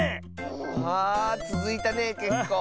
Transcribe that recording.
あつづいたねけっこう。